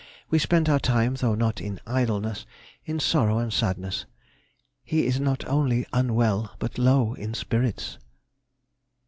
We spent our time, though not in idleness, in sorrow and sadness. He is not only unwell but low in spirits.